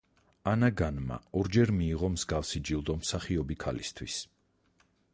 ანა განმა ორჯერ მიიღო მსგავსი ჯილდო მსახიობი ქალისთვის.